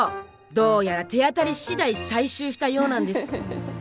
どうやら手当たりしだい採集したようなんです。